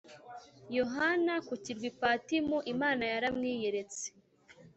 Yohana kukirwa ipatimu imana yaramwiyeretse